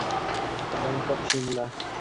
Bank of Shimla.